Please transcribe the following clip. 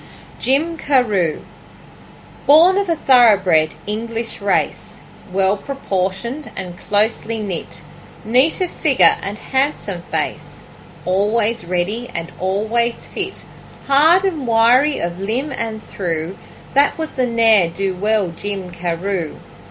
Jim Carew Born of a thoroughbred English race, Well proportioned and closely knit, Neat of figure and handsome face, Always ready and always fit, Hard and wiry of limb and thew, That was the ne'er do well Jim Carew.